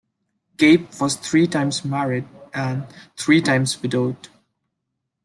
Cape was three times married and three times widowed.